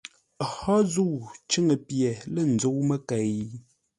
Hó zə̂u cʉ́ŋə pye lə̂ nzə́u məkei?